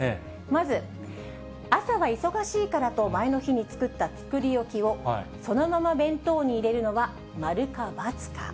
まず、朝は忙しいからと、前の日に作った作り置きを、そのまま弁当に入れるのは〇か×か？